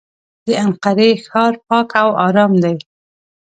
د انقرې ښار پاک او ارام دی.